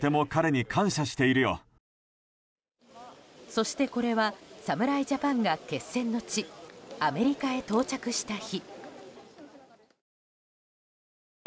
そして、これは侍ジャパンが決戦の地アメリカへ到着した日。